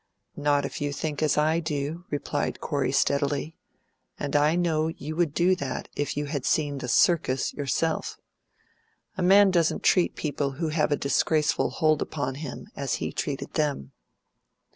"Not if you think as I do," replied Corey steadily; "and I know you would do that if you had seen the 'circus' yourself. A man doesn't treat people who have a disgraceful hold upon him as he treated them."